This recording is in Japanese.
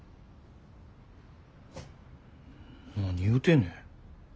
何言うてんねん。